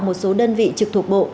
một số đơn vị trực thuộc bộ